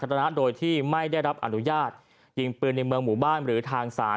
นะโดยที่ไม่ได้รับอนุญาตยิงปืนในเมืองหมู่บ้านหรือทางศาล